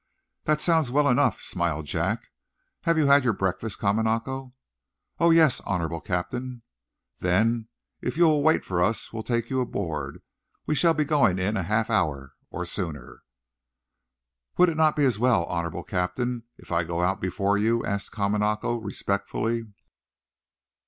"That sounds well enough," smiled Jack. "Have you had your breakfast, Kamanako?" "Oh, yes, honorable Captain." "Then, if you'll wait for us, we'll take you aboard. We shall be going in a half an hour, or sooner." "Would it not be as well, honorable Captain, if I go out before you?" asked Kamanako, respectfully.